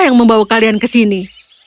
saya ingin membawa kalian ke sini